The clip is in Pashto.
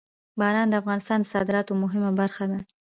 باران د افغانستان د صادراتو یوه مهمه برخه ده.